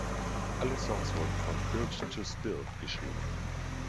Alle Songs wurden von Built To Spill geschrieben.